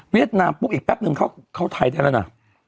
นามปุ๊บอีกแป๊บนึงเข้าไทยได้แล้วนะ